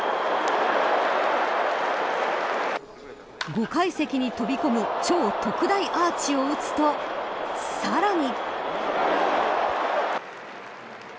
５階席に飛び込む超特大アーチを打つとさらに。